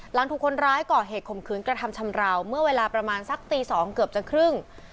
หลังถูกคนร้ายก่อเหตุข่มขืนกระทำชำราวเมื่อเวลาประมาณสักตี๒เกือบจะครึ่ง